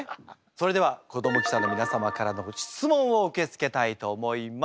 それでは子ども記者の皆様からの質問を受け付けたいと思います。